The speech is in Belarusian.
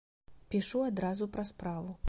Пішу адразу пра справу.